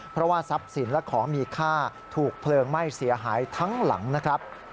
เพราะว่าทรัพย์สินและของมีค่าถูกเพลิงไหม้เสียหายทั้งหลังนะครับ